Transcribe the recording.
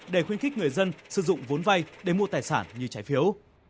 để khuyến khích người dân sử dụng vốn vay để mua tài sản như trái phiếu